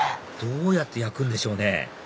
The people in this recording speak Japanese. どうやって焼くんでしょうね？